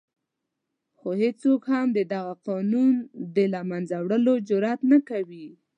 خو هېڅوک هم د دغه قانون د له منځه وړلو جرآت نه کوي.